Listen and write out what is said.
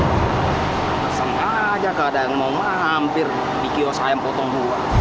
kesel aja nggak ada yang mau mampir di kiosk ayam potong buah